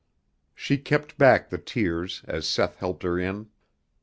She kept back the tears as Seth helped her in.